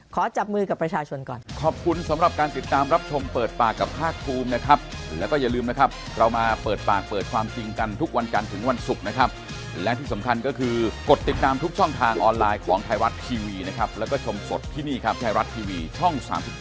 ขอจับมือกับประชาชนก่อน